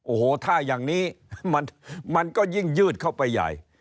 โอ้โหถ้าอย่างนี้มันก็ยิ่งยืดเข้าไปใหญ่